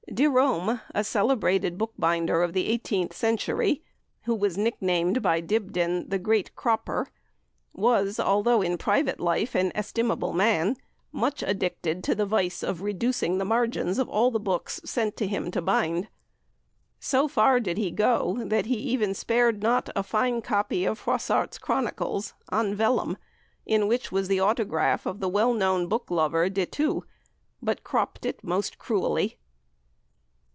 De Rome, a celebrated bookbinder of the eighteenth century, who was nicknamed by Dibdin "The Great Cropper," was, although in private life an estimable man, much addicted to the vice of reducing the margins of all books sent to him to bind. So far did he go, that he even spared not a fine copy of Froissart's Chronicles, on vellum, in which was the autograph of the well known book lover, De Thou, but cropped it most cruelly.